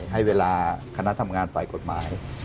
ให้เวลาคณะทำงานฝ่ายกฎหมาย